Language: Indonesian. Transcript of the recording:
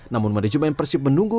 namun manajemen persib menunggu